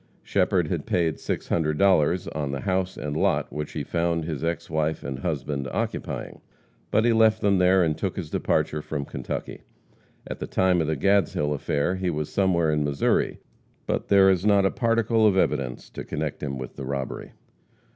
Shepherd had paid $600 on the house and lot which he found his ex wife and husband occupying. But he left them there and took his departure from Kentucky. At the time of the Gadshill affair he was somewhere in Missouri. But there is not a particle of evidence to connect him with the robbery.